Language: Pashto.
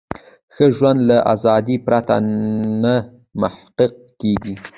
ښه ژوند له ازادۍ پرته نه محقق کیږي.